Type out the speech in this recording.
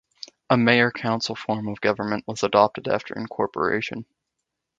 A mayor-council form of government was adopted after incorporation.